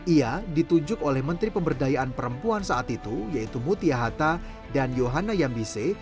ia ditunjuk oleh menteri pemberdayaan perempuan saat itu yaitu mutia hatta dan yohana yambise